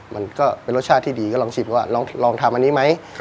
มันก็เป็นรสชาติที่ดีก็ลองชิมว่าลองทำอันนี้ไหม